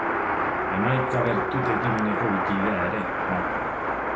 Hamaika Bertute ekimeneko kidea ere bada.